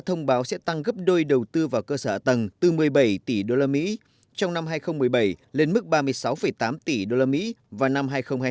thông báo sẽ tăng gấp đôi đầu tư vào cơ sở ạ tầng từ một mươi bảy tỷ usd trong năm hai nghìn một mươi bảy lên mức ba mươi sáu tám tỷ usd vào năm hai nghìn hai mươi